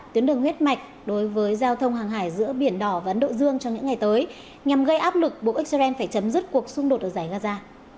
tuyến đường huyết mạch đối với giao thông hàng hải giữa biển đỏ và ấn độ dương trong những ngày tới nhằm gây áp lực bộ israel phải chấm dứt cuộc xung đột ở giải gaza